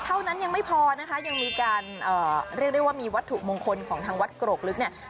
เท่านั้นยังไม่พอนะคะยังมีการเรียกได้ว่ามีวัตถุมงคลของทางวัดโกรกลึกเนี่ย